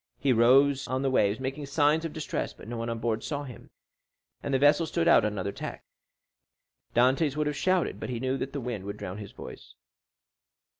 He rose on the waves, making signs of distress; but no one on board saw him, and the vessel stood on another tack. Dantès would have shouted, but he knew that the wind would drown his voice.